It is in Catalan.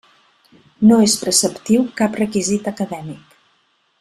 No és preceptiu cap requisit acadèmic.